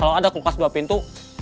kalau ada kupas dua pintu